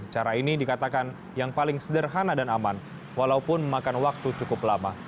cara ini dikatakan yang paling sederhana dan aman walaupun memakan waktu cukup lama